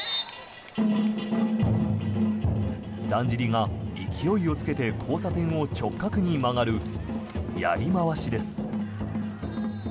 だんじりが勢いをつけて交差点を直角に曲がるやりまわしです。